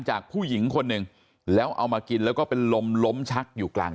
จากผู้หญิงคนหนึ่งแล้วเอามากินแล้วก็เป็นลมล้มชักอยู่กลาง